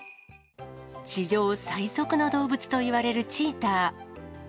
地上最速の動物といわれるチーター。